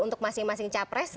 untuk masing masing capres